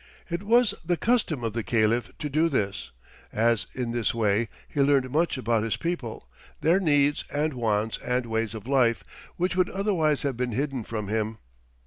It was the custom of the Caliph to do this, as in this way he learned much about his people, their needs and wants and ways of life, which would otherwise have been hidden from him.